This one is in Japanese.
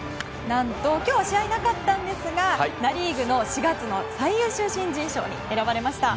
今日は試合なかったんですがナ・リーグの４月の最優秀新人賞に選ばれました。